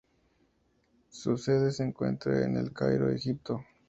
Su sede se encuentra en El Cairo, Egipto.